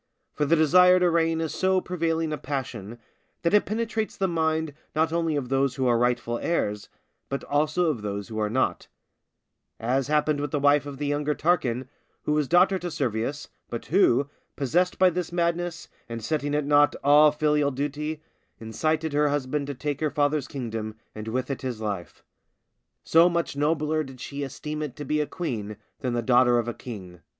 For the desire to reign is so prevailing a passion, that it penetrates the minds not only of those who are rightful heirs, but also of those who are not; as happened with the wife of the younger Tarquin, who was daughter to Servius, but who, possessed by this madness, and setting at naught all filial duty, incited her husband to take her father's kingdom, and with it his life; so much nobler did she esteem it to be a queen than the daughter of a king.